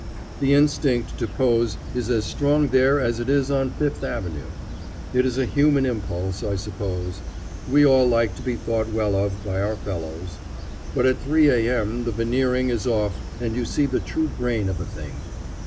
The instinct to pose is as strong there as it is on Fifth Avenue. It is a human impulse, I suppose. We all like to be thought well of by our fellows. But at 3 A.M. the veneering is off and you see the true grain of a thing.